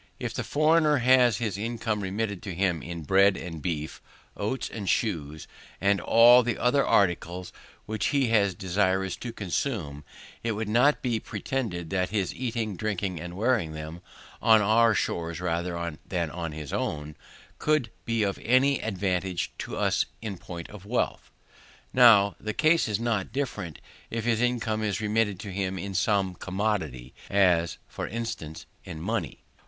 If the foreigner had his income remitted to him in bread and beef, coats and shoes, and all the other articles which he was desirous to consume, it would not be pretended that his eating, drinking, and wearing them, on our shores rather than on his own, could be of any advantage to us in point of wealth. Now, the case is not different if his income is remitted to him in some one commodity, as, for instance, in money.